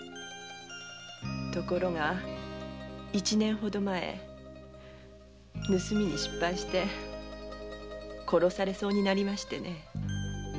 ところが一年ほど前盗みに失敗して殺されそうになりましてね。